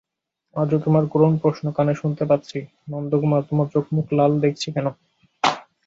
আজও তোমার করুণ প্রশ্ন কানে শুনতে পাচ্ছি, নন্দকুমার তোমার চোখমুখ লাল দেখছি কেন।